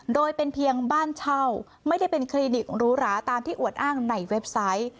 โดยเป็นเพียงบ้านเช่าไม่ได้เป็นคลินิกหรูหราตามที่อวดอ้างในเว็บไซต์